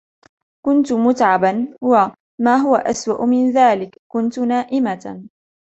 كنت متعبا و ، ما هو أسوأ من ذلك ، كنت نائمة